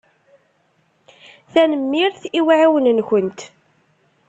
Tanemmirt i uɛiwen-nkent.